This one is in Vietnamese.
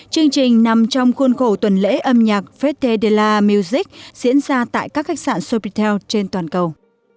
chương trình nằm trong khuôn khổ tuần lễ âm nhạc fete de la music diễn ra tại các khách sạn sofitel trên toàn cầu